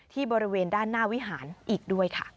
บริเวณด้านหน้าวิหารอีกด้วยค่ะ